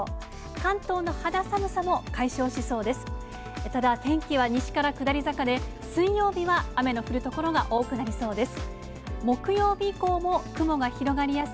関東の肌寒さも解消しそうです。